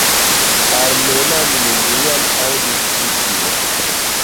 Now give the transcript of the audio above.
Almenaŭ mi neniam aŭdis pri tio.